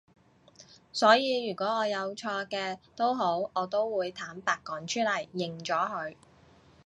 所以如果我有錯嘅都好我都會坦白講出嚟，認咗佢